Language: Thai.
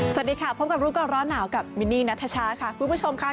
สวัสดีค่ะพบกับรู้ก่อนร้อนหนาวกับมินนี่นัทชาค่ะคุณผู้ชมค่ะ